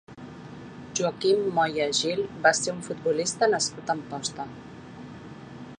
Joaquim Moya Gil va ser un futbolista nascut a Amposta.